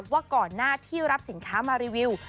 ว่าก่อนหน้าที่รับสินค้ามารีวิว